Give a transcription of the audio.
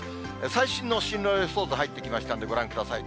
最新の進路予想図、入ってきましたんで、ご覧ください。